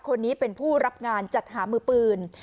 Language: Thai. คนนี้เป็นผู้รับงานจัดหามือปืน